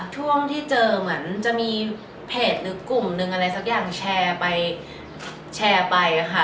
ช่วงที่เจอเหมือนจะมีเพจหรือกลุ่มหนึ่งอะไรสักอย่างแชร์ไปแชร์ไปค่ะ